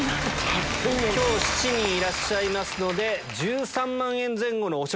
今日７人いらっしゃいますので。